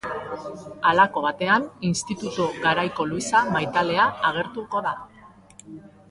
Halako batean, institutu garaiko Luisa maitalea agertuko da.